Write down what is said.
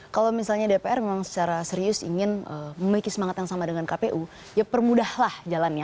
kalau misalnya dpr memang secara serius ingin memiliki semangat yang sama dengan kpu ya permudahlah jalannya